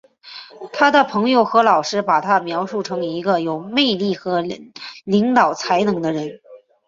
他的朋友和老师把他描述成一个有魅力的和领导才能的人。